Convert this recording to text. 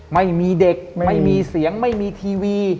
ไม่มีเด็กไม่มีเสียงไม่มีทีวี